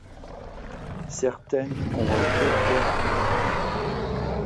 Certaines ont été perdues.